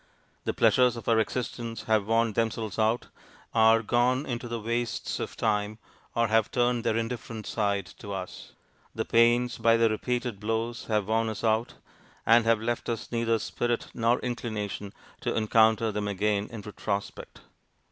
The pleasures of our existence have worn themselves out, are 'gone into the wastes of time,' or have turned their indifferent side to us: the pains by their repeated blows have worn us out, and have left us neither spirit nor inclination to encounter them again in retrospect.